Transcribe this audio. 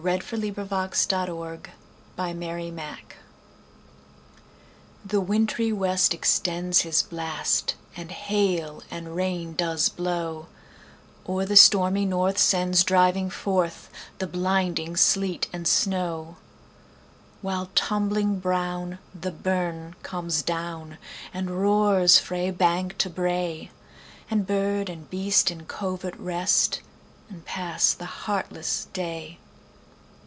1909–14. 1781 15 . Winter: A Dirge THE WINTRY west extends his blast, And hail and rain does blaw; Or the stormy north sends driving forthThe blinding sleet and snaw:While, tumbling brown, the burn comes down, And roars frae bank to brae; And bird and beast in covert rest, And pass the heartless day.